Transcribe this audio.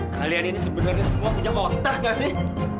kalian ini sebenarnya semua punya wotah nggak sih